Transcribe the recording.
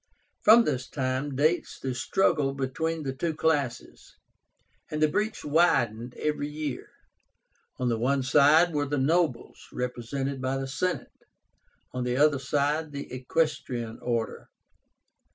From this time dates the struggle between the two classes, and the breach widened every year. On the one side were the nobles, represented by the Senate; on the other side, the equestrian order.